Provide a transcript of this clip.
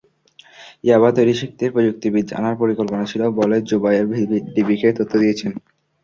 ইয়াবা তৈরি শিখতে প্রযুক্তিবিদ আনার পরিকল্পনা ছিল বলে জুবায়ের ডিবিকে তথ্য দিয়েছেন।